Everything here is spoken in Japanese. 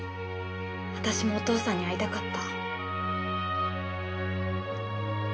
私もお父さんに会いたかった。